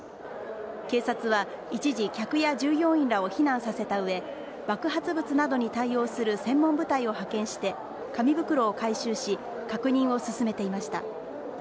警察は、一時客や従業員らを避難させたうえ爆発物などに対応する専門部隊を派遣して紙袋を回収し確認を進めていました。